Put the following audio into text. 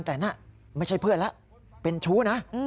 แต่นี่ไม่ใช่เพื่อนแล้วเป็นชู้นะ